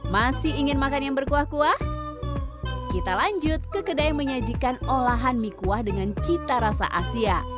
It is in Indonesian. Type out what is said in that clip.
masih ingin makan yang berkuah kuah kita lanjut ke kedai yang menyajikan olahan mie kuah dengan cita rasa asia